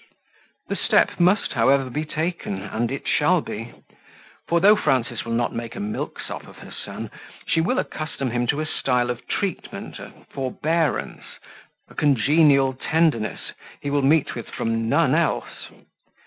The step must, however, be taken, and it shall be; for, though Frances will not make a milksop of her son, she will accustom him to a style of treatment, a forbearance, a congenial tenderness, he will meet with from none else.